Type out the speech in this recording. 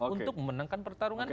untuk memenangkan pertarungan ini